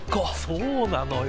そうなのよ。